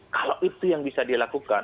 kalau itu yang bisa dilakukan